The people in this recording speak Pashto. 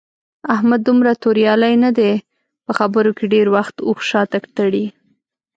احمد دومره توریالی نه دی. په خبرو کې ډېری وخت اوښ شاته تړي.